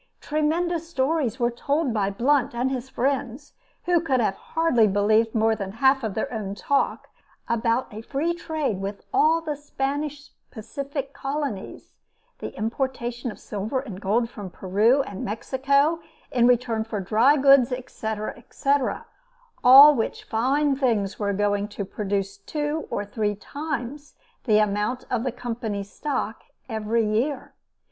Tremendous stories were told by Blunt and his friends, who can hardly have believed more than one half of their own talk, about a free trade with all the Spanish Pacific colonies, the importation of silver and gold from Peru and Mexico in return for dry goods, etc., etc.; all which fine things were going to produce two or three times the amount of the Company's stock every year.